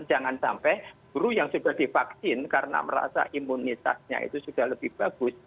jangan sampai guru yang sudah divaksin karena merasa imunitasnya itu sudah lebih bagus